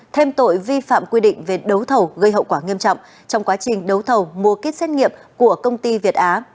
thêm tội vi phạm quy định về đấu thầu gây hậu quả nghiêm trọng trong quá trình đấu thầu mua kết xét nghiệm của công ty việt á